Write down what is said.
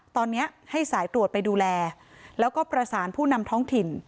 ตอนนี้ให้สายตรวจไปดูแลแล้วก็ประสานผู้นำท้องถิ่น